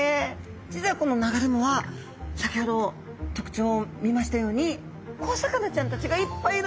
実はこの流れ藻は先ほど特徴を見ましたように小魚ちゃんたちがいっぱいいるんですね。